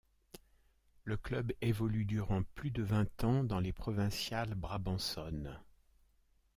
Le club évolue durant plus de vingt ans dans les provinciales brabançonne.